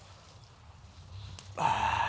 ああ。